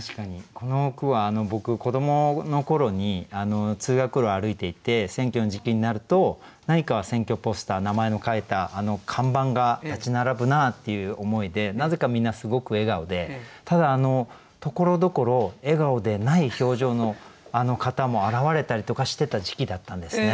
この句は僕子どもの頃に通学路を歩いていて選挙の時期になると何か選挙ポスター名前の書いたあの看板が立ち並ぶなっていう思いでなぜかみんなすごく笑顔でただところどころ笑顔でない表情の方も現れたりとかしてた時期だったんですね。